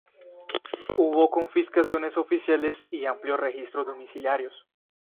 Hubo confiscaciones oficiales y amplios registros domiciliarios.